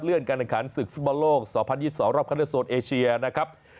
เลื่อนการอันขันศึกฟุตบอลโลก๒๐๒๒รอบคาเทศโซนเอเชียนะครับ